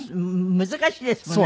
難しいですもんねあれね。